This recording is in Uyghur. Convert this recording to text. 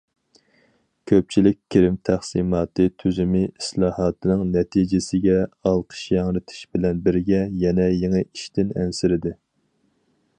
كۆپچىلىك كىرىم تەقسىماتى تۈزۈمى ئىسلاھاتىنىڭ نەتىجىسىگە ئالقىش ياڭرىتىش بىلەن بىرگە يەنە يېڭى ئىشتىن ئەنسىرىدى.